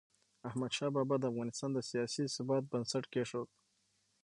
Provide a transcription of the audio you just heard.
احمدشاه بابا د افغانستان د سیاسي ثبات بنسټ کېښود.